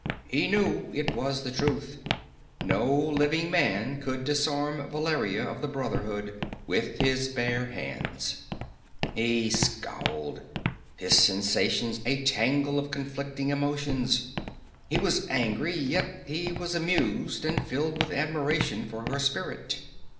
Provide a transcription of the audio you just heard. He knew it was the truth. No living man could disarm Valeria of the Brotherhood with his bare hands. He scowled, his sensations a tangle of conflicting emotions. He was angry, yet he was amused and filled with admiration for her spirit.